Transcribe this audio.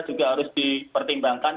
juga harus dipertimbangkan